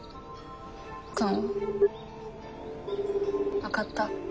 分かった。